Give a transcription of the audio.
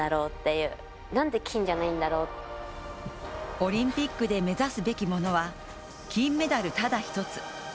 オリンピックで目指すべきものは金メダルただ一つ。